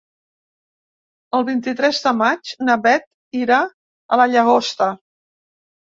El vint-i-tres de maig na Beth anirà a la Llagosta.